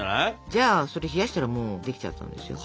じゃあそれ冷やしたらもうできちゃったんですよ。